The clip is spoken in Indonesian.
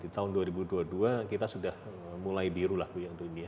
tahun dua ribu dua puluh dua kita sudah mulai biru lah bu ya untuk ini ya